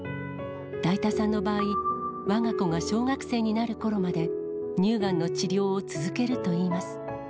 だいたさんの場合、わが子が小学生になるころまで、乳がんの治療を続けるといいます。